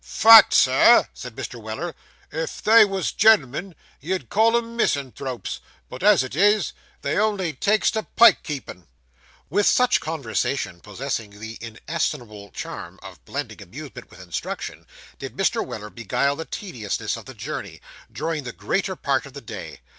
'Fact, Sir,' said Mr. Weller; 'if they was gen'l'm'n, you'd call 'em misanthropes, but as it is, they only takes to pike keepin'.' With such conversation, possessing the inestimable charm of blending amusement with instruction, did Mr. Weller beguile the tediousness of the journey, during the greater part of the day.